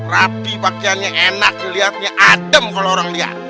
rapi pakaiannya enak dilihatnya adem kalau orang lihat